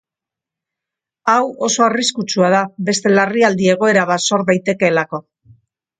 Hau oso arriskutsua da, beste larrialdi egoera bat sor daitekeelako.